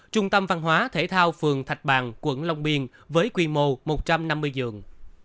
trung tâm văn hóa thể thao phường thạch bàn quận long biên với quy mô một trăm năm mươi giường